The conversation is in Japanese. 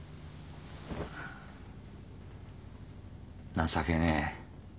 情けねえ。